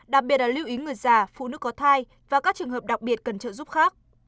đặc biệt là lưu ý người già phụ nữ có thai và các trường hợp đặc biệt cần trợ giúp khác